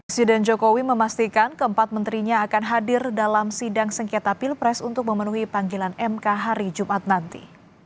presiden jokowi memastikan keempat menterinya akan hadir dalam sidang sengketa pilpres untuk memenuhi panggilan mk hari jumat nanti